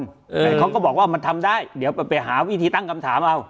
แต่เขาก็บอกว่ามันทำได้เดี๋ยวไปหาวิธีตั้งคำถามเอา